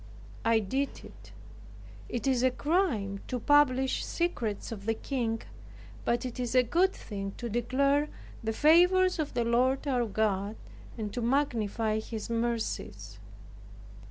I did it. It is a crime to publish secrets of the King; but it is a good thing to declare the favors of the Lord our God, and to magnify His mercies.